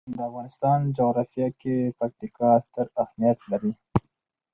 د افغانستان جغرافیه کې پکتیکا ستر اهمیت لري.